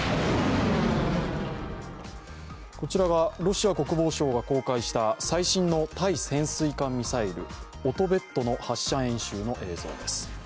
こちらがロシア国防省が公開した最新の対潜水艦ミサイル、オトベットの発射演習の映像です。